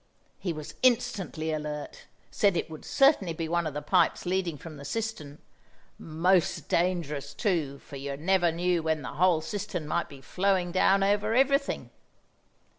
He was instantly alert, said it would certainly be one of the pipes leading from the cistern; most dangerous, too, for you never knew when the whole cistern might be flowing down over everything.